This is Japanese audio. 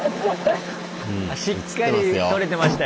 しっかり撮れてましたよ。